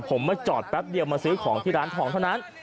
ผมมาจอดแป๊บเดียวมาซื้อของที่ร้านทองเท่านั้น